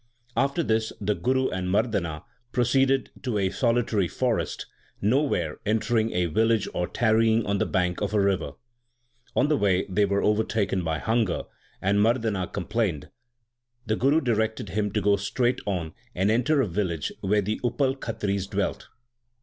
After this the Guru and Mardana proceeded to a solitary forest, nowhere entering a village or tarrying on the bank of a river. On the way they were overtaken by hunger, and Mardana complained. The Guru directed him to go straight on and enter a village where the Upal Khatris dwelt.